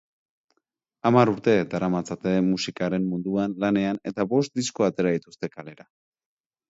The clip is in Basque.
Hamar urte daramatzate musikaren munduan lanean eta bost disko atera dituzte kalera.